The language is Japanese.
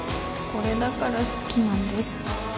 これだから好きなんです。